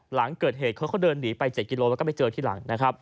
หลังเกิดเหตุเขาก็เดินหนีไป๗กิโลแล้วก็ไปเจอที่หลังนะครับ